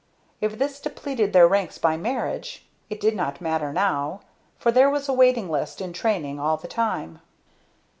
If this depleted their ranks by marriage, it did not matter now, for there was a waiting list in training all the time.